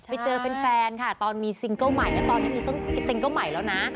ไปเจอแฟนค่ะตอนมีซิงเกิ้ลใหม่แล้วตอนนี้มีซิงเกิ้ลใหม่แล้วนะ